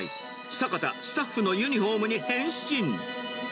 坂田、スタッフのユニホームに変身。